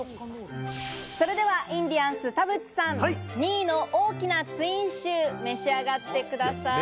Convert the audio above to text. それではインディアンス・田渕さん、２位の大きなツインシュー、召し上がってください。